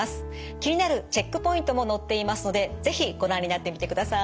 気になるチェックポイントも載っていますので是非ご覧になってみてください。